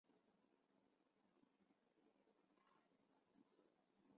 脑化指数和相似的脑部身体质量比的因素。